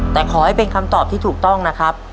แต่ขอให้เป็นคำตอบที่ถูกต้องนะครับ